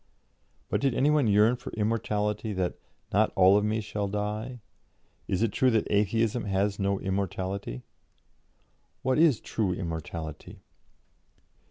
'" But did any one yearn for immortality, that "not all of me shall die"? "Is it true that Atheism has no immortality? What is true immortality?